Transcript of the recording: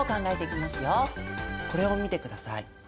これを見てください。